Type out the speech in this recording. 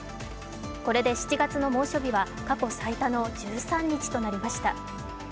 これで７月の猛暑日は過去最多の１３日となりました。